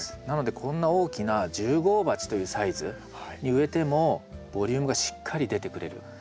なのでこんな大きな１０号鉢というサイズに植えてもボリュームがしっかり出てくれる。